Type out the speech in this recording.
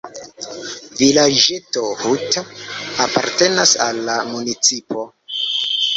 Vilaĝeto "Huta" apartenas al la municipo.